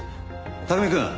拓海くん